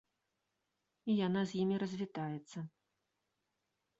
І яна з імі развітаецца.